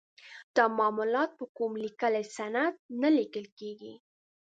دا معاملات په کوم لیکلي سند نه لیکل کیږي.